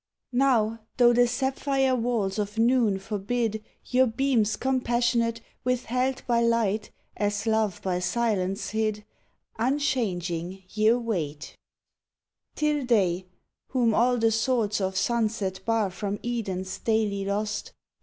Now, tho' the sapphire walls of noon forbid Your beams compassionate, Witheld by light, as love by silence hid, Unchanging ye await. Till Day, whom all the swords of sunset bar From Edens daily lost.